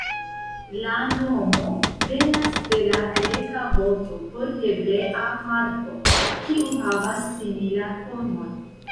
La nomo venas de la greka vorto por hebrea harpo, kiu havas similan formon.